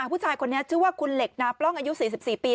ผู้ชายคนนี้ชื่อว่าคุณเหล็กนาปล้องอายุ๔๔ปี